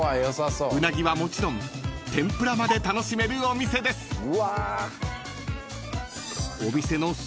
［うなぎはもちろん天ぷらまで楽しめるお店です］